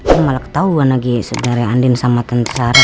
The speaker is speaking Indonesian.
aku malah ketauan lagi sebenarnya andin sama tentara